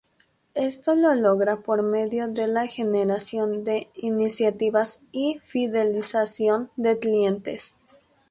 Esto lo logra por medio de la generación de iniciativas y fidelización de clientes.